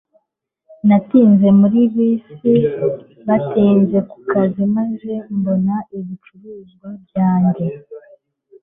Natinze muri bisi natinze ku kazi maze mbona ibicuruzwa byanjye